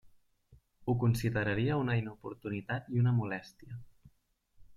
Ho consideraria una inoportunitat i una molèstia.